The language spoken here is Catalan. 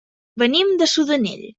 Venim de Sudanell.